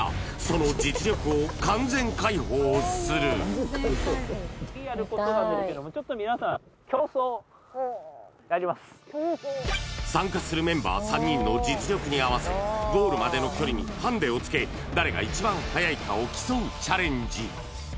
はい右左右左でああああとてもこれは２つの参加するメンバー３人の実力に合わせゴールまでの距離にハンデをつけ誰が一番速いかを競うチャレンジ